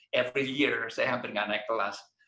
setiap tahun saya tidak naik kelas